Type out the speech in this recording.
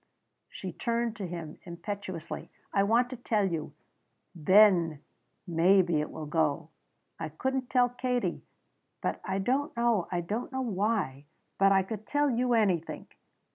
She turned to him impetuously. "I want to tell you! Then maybe it will go. I couldn't tell Katie. But I don't know I don't know why but I could tell you anything."